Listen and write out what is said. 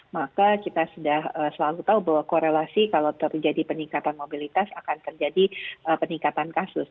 maka kita sudah selalu tahu bahwa korelasi kalau terjadi peningkatan mobilitas akan terjadi peningkatan kasus